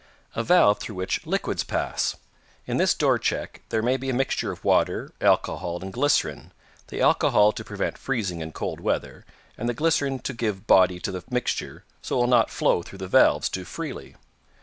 "A valve through which liquids pass. In this door check there may be a mixture of water, alcohol and glycerine, the alcohol to prevent freezing in cold weather, and the glycerine to give body to the mixture so it will not flow through the valves too freely."